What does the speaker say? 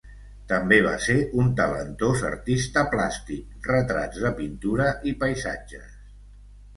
També va ser un talentós artista plàstic, retrats de pintura i paisatges.